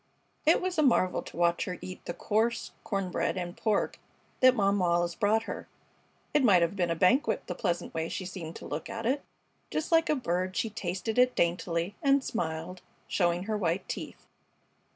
It was a marvel to watch her eat the coarse corn bread and pork that Mom Wallis brought her. It might have been a banquet, the pleasant way she seemed to look at it. Just like a bird she tasted it daintily, and smiled, showing her white teeth.